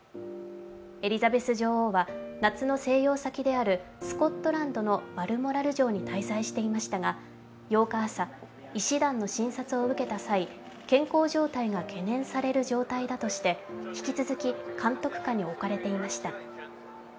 エリザベス女王は夏の静養先であるスコットランドのバルモラル城に滞在していましたが８日朝、医師団の診察を受けた際、健康状態が懸念される状態だとして引き続き監督下に置かれていました。